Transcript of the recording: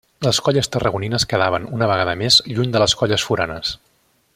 Les colles tarragonines quedaven, una vegada més, lluny de les colles foranes.